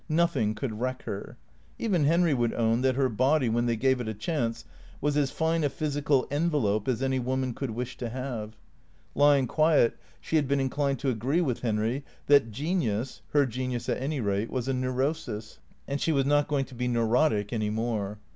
Nothing could wreck her. Even Henry would own that her body, when they gave it a chance, was as fine a physical envelope as any woman could wish to have. Lying quiet, she had been inclined to agree with Henry that genius — her genius at any rate — was a neurosis ; and she was not going to be neu rotic any more.